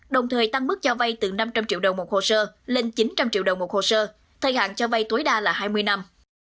đồng thời tăng mức cho vay từ năm trăm linh triệu đồng một hồ sơ lên chín trăm linh triệu đồng một hồ sơ thay hạn cho vay tối đa là hai mươi năm